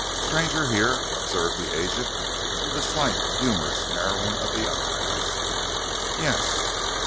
"Stranger here?" observed the agent, with a slight, humorous narrowing of the eyes. "Yes."